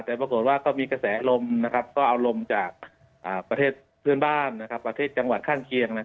แต่ปรากฎว่ามีกระแสลมน์นะครับเอาเร็วมจากประเทศเพื่อนบ้านกฎีกว้างข้างเขียง